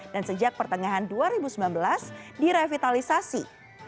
dan sejak pertengahan dua ribu sembilan belas direvitalisasi